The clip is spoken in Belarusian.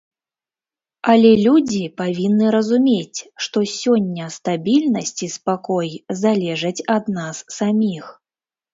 Але людзі павінны разумець, што сёння стабільнасць і спакой залежаць ад нас саміх.